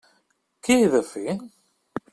Què he de fer?